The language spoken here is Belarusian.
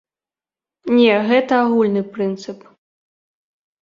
Не, гэта агульны прынцып.